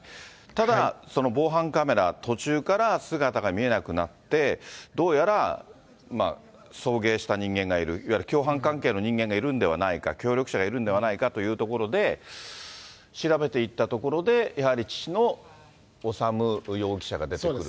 ただ、防犯カメラ、途中から姿が見えなくなって、どうやら送迎した人間がいる、いわゆる共犯関係の人間がいるのではないか、協力者がいるんではないかというところで調べていったところで、やはり父の修容疑者が出てくる。